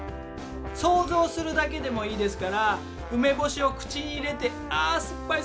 想像するだけでもいいですから梅干しを口に入れてあ酸っぱい酸っぱい酸っぱい。